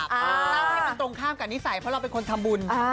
แล้วมันตรงข้ามกับหน้าภัยเพราะเราเป็นคนทำบุญ